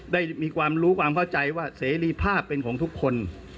ได้มีความรู้ความเข้าใจว่าเสรีภาพเป็นของทุกคน